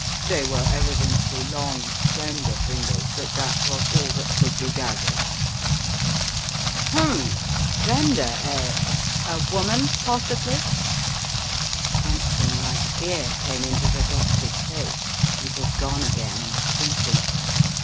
They were evidently long, slender fingers, but that was all that could be gathered." "H'mn! Slender, eh? A woman's possibly?" Something like fear came into the doctor's face, and was gone again in a twinkling.